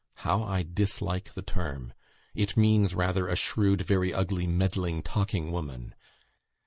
How I dislike the term! It means rather a shrewd, very ugly, meddling, talking woman